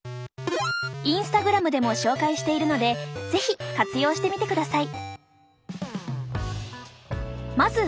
インスタグラムでも紹介しているので是非活用してみてください。